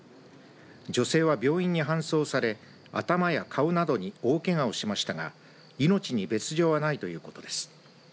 女性は病院に搬送され頭や顔などに大けがをしましたが命に別状はないということです。